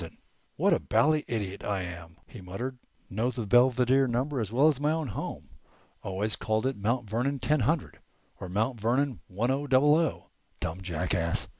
"What a bally idiot I am!" he muttered. "Know the Belvedere number as well as my own home. Always called it 'Mount Vernon ten hundred' or 'Mount Vernon one o double o.' Dumb jackass!